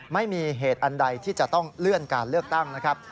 ไม่มีเหตุอันใดที่จะต้องเลื่อนการเลือกตั้งนะครับ